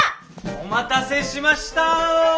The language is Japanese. お待たせしました。